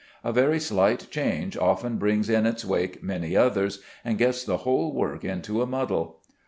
A very slight change often brings in its wake many others, and gets the whole work into a muddle.